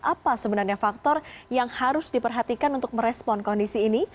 apa sebenarnya faktor yang harus diperhatikan untuk merespon kondisi ini